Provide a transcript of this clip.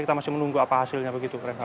kita masih menunggu apa hasilnya begitu